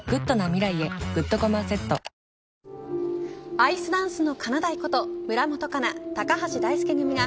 アイスダンスのかなだいこと村元哉中、高橋大輔組が